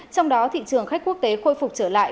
trong đó thị trường khách quốc tế khôi phục trở lại